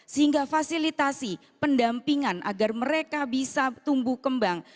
sehingga fasilitasi pendampingan agar mereka bisa tumbuh kembang